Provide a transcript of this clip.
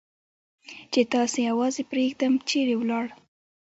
چې تاسې یوازې پرېږدم، چېرې ولاړ؟